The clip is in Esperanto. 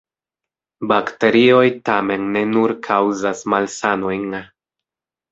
Bakterioj tamen ne nur kaŭzas malsanojn.